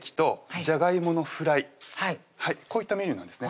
こういったメニューなんですね